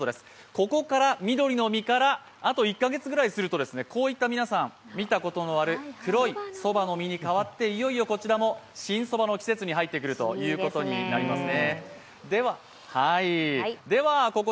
ここから緑の実からあと１か月くらいすると皆さん見たことのあるこういった黒いそばの実に変わっていよいよこちらも新そばの季節に入ってくるということになりますね。